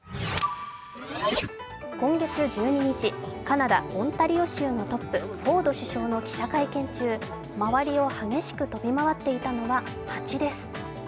今月１２日、カナダ・オンタリオ州のトップ、フォード首相の記者会見中周りを激しく飛び回っていたのは蜂です。